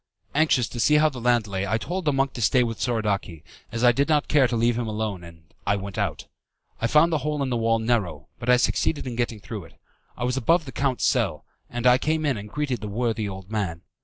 Anxious to see how the land lay, I told the monk to stay with Soradaci, as I did not care to leave him alone, and I went out. I found the hole in the wall narrow, but I succeeded in getting through it. I was above the count's cell, and I came in and greeted the worthy old man.